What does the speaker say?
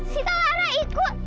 sita lara ikut